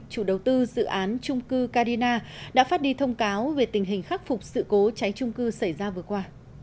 chủ đầu tư dự án trung cư carina đã phát đi thông cáo về tình hình khắc phục sự cố cháy trung cư xảy ra vừa qua